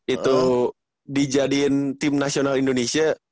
itu dijadiin tim nasional indonesia